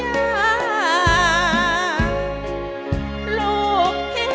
ลูกให้แม่จะทราบตาให้เธอต์ไป